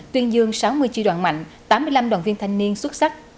tuyên dương sáu mươi chi đoàn mạnh tám mươi năm đoàn viên thanh niên xuất sắc